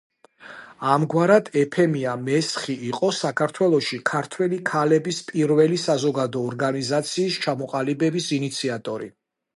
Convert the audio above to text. ამგვარად, ეფემია მესხი იყო საქართველოში ქართველი ქალების პირველი საზოგადო ორგანიზაციის ჩამოყალიბების ინიციატორი.